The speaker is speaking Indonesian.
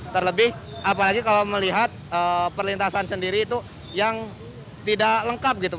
terlebih apalagi kalau melihat perlintasan sendiri itu yang tidak lengkap gitu